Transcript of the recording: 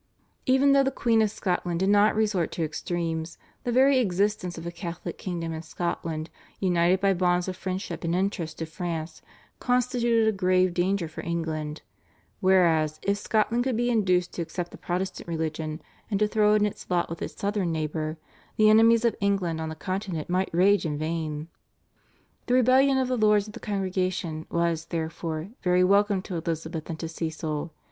Even though the Queen of Scotland did not resort to extremes, the very existence of a Catholic kingdom in Scotland, united by bonds of friendship and interest to France, constituted a grave danger for England; whereas if Scotland could be induced to accept the Protestant religion and to throw in its lot with its southern neighbour, the enemies of England on the Continent might rage in vain. The rebellion of the lords of the Congregation was, therefore, very welcome to Elizabeth and to Cecil.